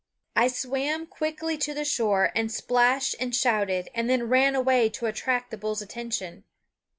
I swam quickly to the shore and splashed and shouted and then ran away to attract the bull's attention.